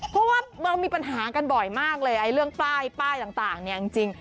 เพราะว่ามีปัญหากันบ่อยมากเลยเรื่องป้ายต่างจริง